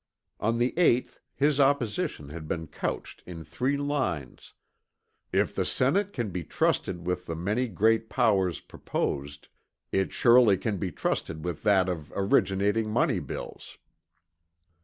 On the 8th his opposition had been couched in three lines, "If the Senate can be trusted with the many great powers proposed, it surely can be trusted with that of originating money bills."